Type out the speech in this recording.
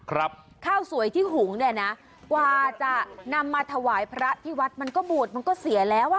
ข้าวสวยที่หุงเนี่ยนะกว่าจะนำมาถวายพระที่วัดมันก็บวชมันก็เสียแล้วอ่ะ